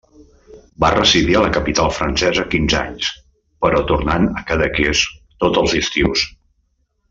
Va residir a la capital francesa quinze anys, però tornant a Cadaqués tots els estius.